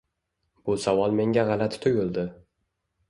Bu savol menga g‘alati tuyuldi.